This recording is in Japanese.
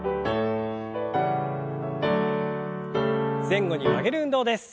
前後に曲げる運動です。